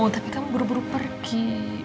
tapi kamu buru buru pergi